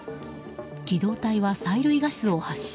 機動隊は催涙ガスを発射。